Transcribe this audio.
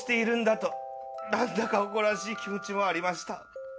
と何だか誇らしい気持ちもありました。